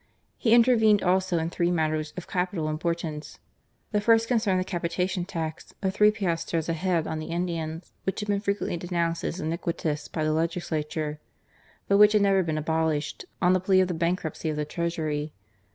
He intervened also in three matters of capital import ance. The first concerned the capitation tax of three piastres a head on the Indians, which had been frequently denounced as iniquitous by the Legisla PARLIAMENTARY OPPOSITION. 69 ture, but which had never been abolished, on the plea of the bankruptcy of the Treasury.